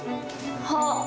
あっ。